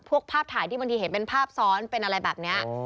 ภาพถ่ายที่บางทีเห็นเป็นภาพซ้อนเป็นอะไรแบบนี้